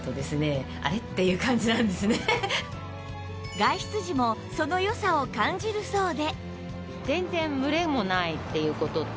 外出時もその良さを感じるそうで